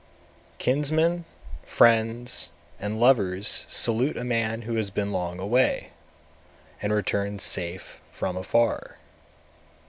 219. Kinsmen, friends, and lovers salute a man who has been long away, and returns safe from afar.